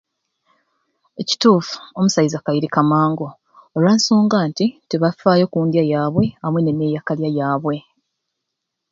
Ekituffu omusaiza akairika mangu olwansonga nti tibafaayo kundya yabwe amwei neneyakalya yabwe.